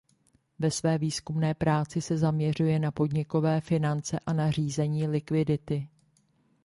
Ve své výzkumné práci se zaměřuje na podnikové finance a na řízení likvidity.